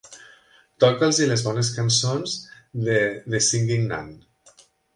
Toca'ls-hi les bones cançons de The Singing Nun.